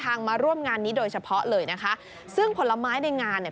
มาร่วมงานนี้โดยเฉพาะเลยนะคะซึ่งผลไม้ในงานเนี่ย